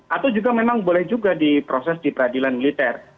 atau juga memang boleh juga diproses di peradilan militer